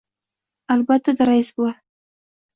— Albatta-da, rais bova.